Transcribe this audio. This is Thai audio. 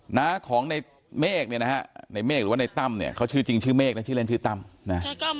หน้าของในเมฆเนี่ยนะฮะในเมฆหรือว่าในตั้มเนี่ยเขาชื่อจริงชื่อเมฆนะชื่อเล่นชื่อตั้มนะ